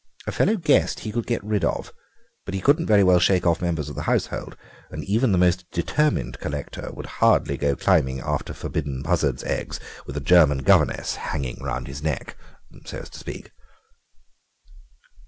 A fellow guest he could get rid of, but he couldn't very well shake off members of the household, and even the most determined collector would hardly go climbing after forbidden buzzards' eggs with a German governess hanging round his neck, so to speak."